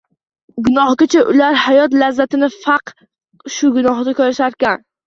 Gunohgacha ular hayot lazzatini faqat shu gunohda ko‘risharkan